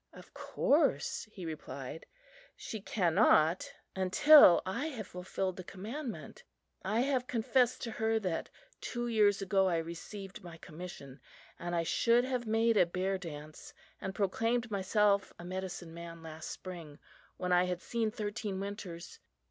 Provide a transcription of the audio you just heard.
"Of course," he replied, "she cannot until I have fulfilled the commandment. I have confessed to her that two years ago I received my commission, and I should have made a Bear Dance and proclaimed myself a medicine man last spring, when I had seen thirteen winters.